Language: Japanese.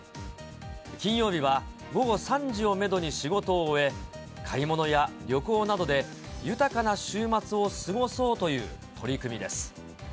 金曜日は午後３時をメドに仕事を終え、買い物や旅行などで豊かな週末を過ごそうという取り組みです。